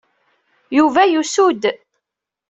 Yuba yusu-d.